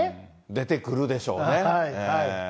出てくるでしょうね。